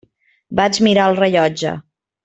Vaig mirar el rellotge.